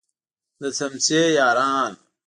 د څمڅې یاران.